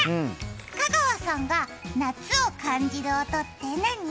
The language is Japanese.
香川さんが夏を感じる音って何？